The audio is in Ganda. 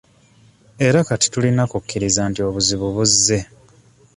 Era kati tulina kukkiriza nti obuzibu buzze.